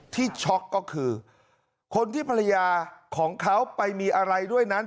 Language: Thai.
ช็อกก็คือคนที่ภรรยาของเขาไปมีอะไรด้วยนั้น